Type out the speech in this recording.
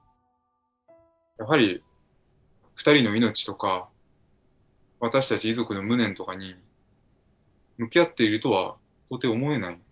やはり、２人の命とか、私たち遺族の無念とかに向き合っているとは到底思えない。